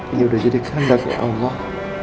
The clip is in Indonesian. ya udah jadi kehendak ya allah